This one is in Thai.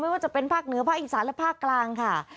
ว่าจะเป็นภาคเหนือภาคอีสานและภาคกลางค่ะ